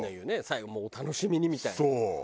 最後もう「お楽しみに」みたいな。